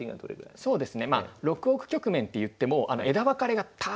そうですね。